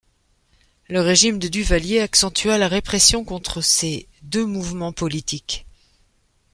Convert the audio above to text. Le régime de Duvalier accentua la répression contre ces deux mouvements politiques.